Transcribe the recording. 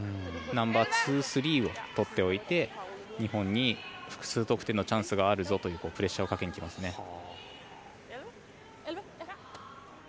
ナンバーツー、スリーを取っておいて日本に複数得点のチャンスがあるぞというプレッシャーをかけに来ますね。